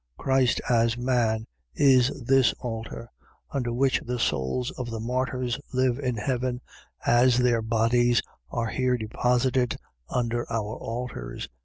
. .Christ, as man, is this altar, under which the souls of the martyrs live in heaven, as their bodies are here deposited under our altars.